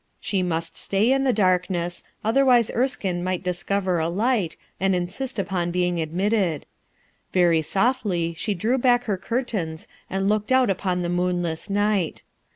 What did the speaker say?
She must stay in the darkness, otherwise Erskine might discover a light and insist upon being admitted. Very softly she drew back her curtains and looked out upon the moonless night.